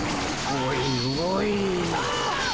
おいおい。